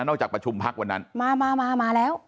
นอกจากประชุมภักดิ์วันนั้นมามามา